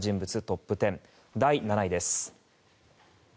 トップ１０第７位です。